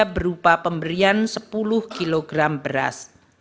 berupa pemberian sepuluh kg beras